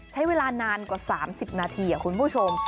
ใช้เวลานานกว่า๓๐นาทีคุณผู้ชม